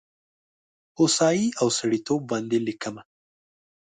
هوسايي او سړیتوب باندې لیکمه